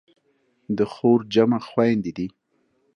د خور جمع خویندې دي.